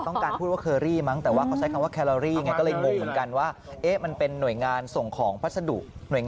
ถ้าอยู่ที่สวนนี่ถ้ามีแม็กซ์อยู่แม็กซ์ของจริง